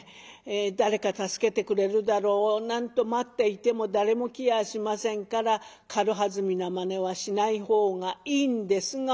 誰か助けてくれるだろうなんて待っていても誰も来やあしませんから軽はずみなまねはしない方がいいんですが。